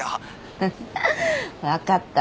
フフッわかった。